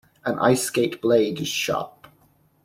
An ice skate blade is sharp.